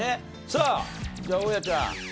さあじゃあ大家ちゃん。